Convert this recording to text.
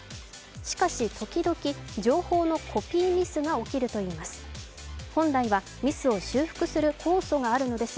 しかし、ときどき情報のコピーミスが起こるといいます。